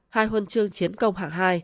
hai huân chương chiến công hạng hai